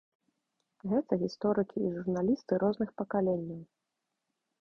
Гэта гісторыкі і журналісты розных пакаленняў.